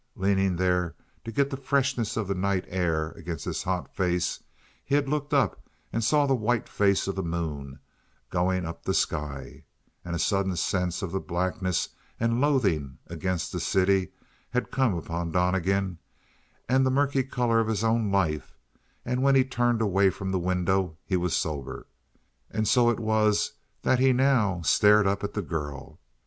Leaning there to get the freshness of the night air against his hot face, he had looked up, and saw the white face of the moon going up the sky; and a sudden sense of the blackness and loathing against the city had come upon Donnegan, and the murky color of his own life; and when he turned away from the window he was sober. And so it was that he now stared up at the girl.